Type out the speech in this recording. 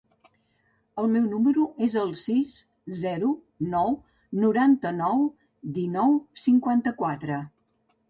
El meu número es el sis, zero, nou, noranta-nou, dinou, cinquanta-quatre.